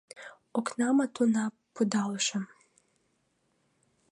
Окнамат уна пудалышым...